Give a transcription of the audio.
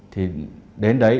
thì đến đấy